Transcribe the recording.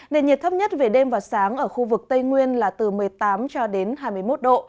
nền nhiệt thấp nhất về đêm và sáng ở khu vực tây nguyên là từ một mươi tám cho đến hai mươi một độ